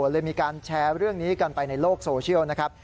เลยมีการแชร์เรื่องนี้กันไปในโลกโซเชียลนะครับ